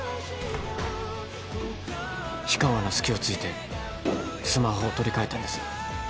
氷川の隙をついてスマホを取り替えたんです。